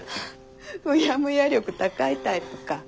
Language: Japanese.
うやむや力高いタイプか。